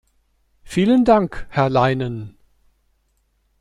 Vielen Dank, Herr Leinen.